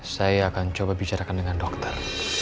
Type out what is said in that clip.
saya akan coba bicarakan dengan dokter